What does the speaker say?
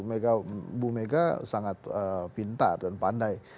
ibu mega sangat pintar dan pandai